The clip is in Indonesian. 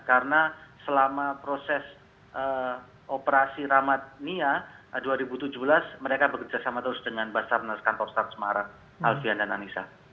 karena selama proses operasi ramad nia dua ribu tujuh belas mereka bekerjasama terus dengan bastard naskan tokstad semarang alfian dan anissa